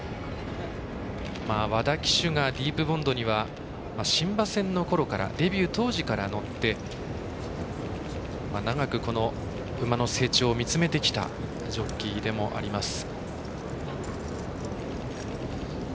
和田騎手がディープボンドには新馬戦のころからデビュー当時から乗って長くこの馬の成長を見つめてきたジョッキーでもあります。